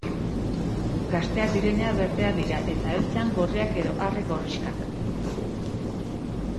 Gazteak direnean berdeak dira eta heltzean gorriak edo arre-gorrixkak.